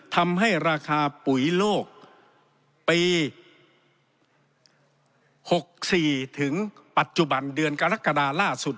ทำให้ราคาปุ๋ยโลกปี๖๔ถึงปัจจุบันเดือนกรกฎาล่าสุด